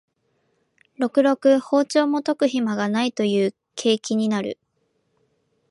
ろくろく庖丁も研ぐひまがないという景気になる